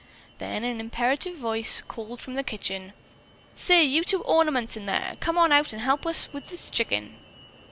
Then an imperative voice called from the kitchen: "Say, you two ornaments in there, come on out and help with this chicken."